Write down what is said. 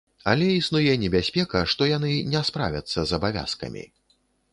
Але існуе небяспека, што яны не справяцца з абавязкамі.